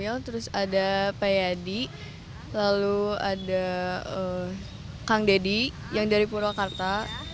ya terus ada pak yadi lalu ada kang deddy yang dari purwakarta